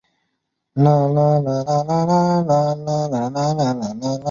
楚灵王没有责罚申无宇。